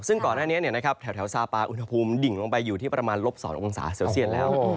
ซึ่งก่อนหน้านี้แถวซาปาอุณหภูมิดิ่งลงไปอยู่ที่ประมาณลบ๒องศาเซลเซียตแล้ว